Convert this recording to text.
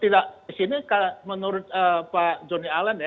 disini menurut pak johnny allen ya